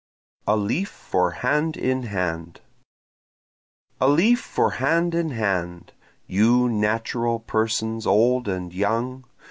A Leaf for Hand in Hand A leaf for hand in hand; You natural persons old and young!